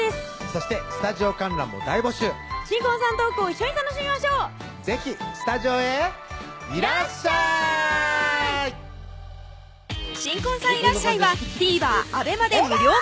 そしてスタジオ観覧も大募集新婚さんのトークを一緒に楽しみましょう是非スタジオへいらっしゃい新婚さんいらっしゃい！はＴＶｅｒ